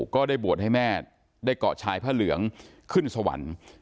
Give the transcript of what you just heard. ก็ได้บวชให้แม่ได้เกาะชายผ้าเหลืองขึ้นสวรรค์